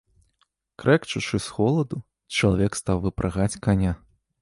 Крэкчучы з холаду, чалавек стаў выпрагаць каня.